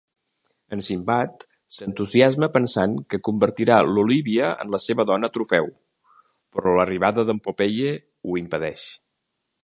En Sinbad s'entusiasma pensant que convertirà l'Olívia en la seva dona trofeu, però l'arribada d'en Popeye ho impedeix.